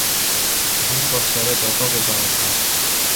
Захирал багш арай зодоогүй байгаа даа.